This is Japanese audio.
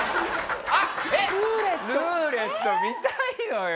ルーレット見たいのよ！